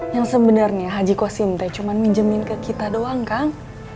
yang sebenernya haji kho sim teh cuman minjemin ke kita doang kan